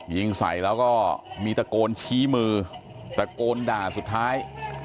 ยิงใส่แล้วก็มีตะโกนชี้มือตะโกนด่าสุดท้าย